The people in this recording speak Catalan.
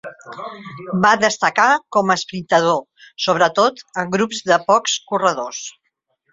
Va destacar com a esprintador sobretot en grups de pocs corredors.